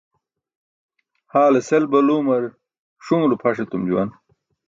haale sel balumar ṣunulo pʰaṣ etum juwan.